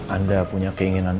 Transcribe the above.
anda punya keinginan